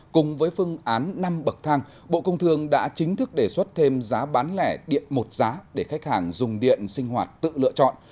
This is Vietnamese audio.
cùng với phương án năm bậc thang bộ công thương đã chính thức đề xuất thêm giá bán lẻ điện một giá để khách hàng dùng điện sinh hoạt tự lựa chọn